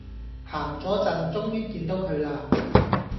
行左陣終於見到佢啦